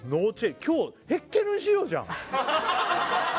今日ヘッケルン仕様じゃん